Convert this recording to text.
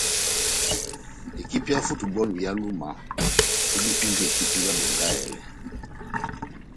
Ekipi ya Futubὸlu ya Luma edipindi ekipi ya Bongahèlè.